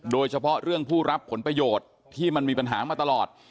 โดยเฉพาะเรื่องผู้รับผลประโยชน์ที่มันมีปัญหามาตลอด